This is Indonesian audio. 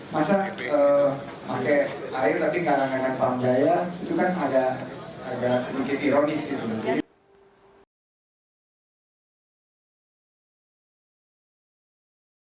masa pakai air tapi garang garang panggaya itu kan agak sedikit ironis gitu